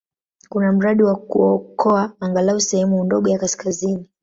Kuna mradi wa kuokoa angalau sehemu ndogo ya kaskazini.